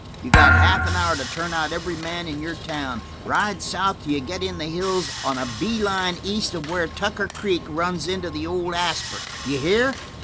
You got half an hour to turn out every man in your town. Ride south till you get in the hills on a bee line east of where Tucker Creek runs into the old Asper. D'ye hear?